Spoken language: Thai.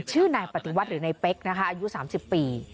ชื่อนายปฏิวัติหรือนายเป๊กนะคะอายุ๓๐ปี